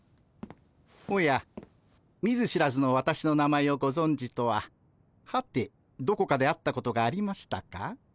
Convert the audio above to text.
おや見ず知らずの私の名前をごぞんじとははてどこかで会ったことがありましたか。